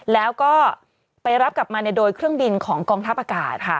แล้วก็ไปรับกลับมาโดยเครื่องบินของกองทัพอากาศค่ะ